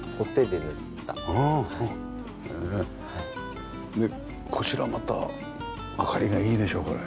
でこちらまた明かりがいいでしょこれ。